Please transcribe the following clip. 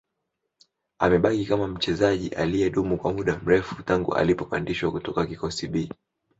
Amebaki kama mchezaji aliyedumu kwa muda mrefu tangu alipopandishwa kutokea kikosi B